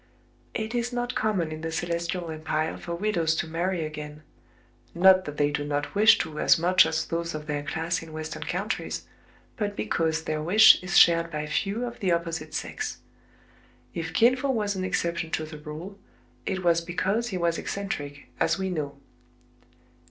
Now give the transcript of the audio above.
It is not common in the Celestial Empire for widows to marry again, — not that they do not wish to as much as those of their class in West ern countries, but because their wish is shared by few of the opposite sex. If Kin Fo was an exception to the rule, it was because he was ec centric, as we know.